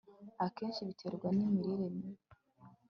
akenshi biterwa n'imirire mibi